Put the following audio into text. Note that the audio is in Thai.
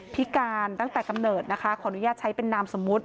พิการตั้งแต่กำเนิดนะคะขออนุญาตใช้เป็นนามสมมุติ